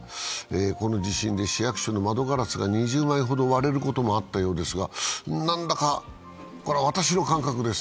この地震で市役所の窓ガラスが２０枚ほど割れることもあったようですが、何だか、これは私の感覚です。